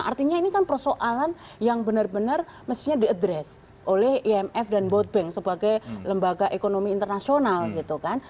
artinya ini kan persoalan yang benar benar mestinya diadres oleh imf dan world bank sebagai lembaga ekonomi internasional gitu kan